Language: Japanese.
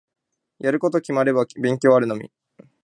やること決まれば勉強あるのみ。